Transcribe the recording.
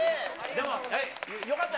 でも、よかった。